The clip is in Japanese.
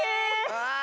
わあ！